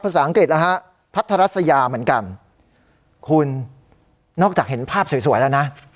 ภาษาอังกฤษนะฮะพัทรัสยาเหมือนกันคุณนอกจากเห็นภาพสวยสวยแล้วนะ